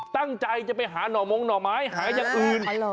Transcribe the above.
ตั้งใจจะไปหาหน่อมงหน่อไม้หาอย่างอื่น